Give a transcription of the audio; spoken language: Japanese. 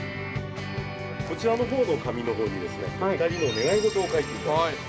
◆こちらのほうの紙のほうに２人の願い事を書いていただいて。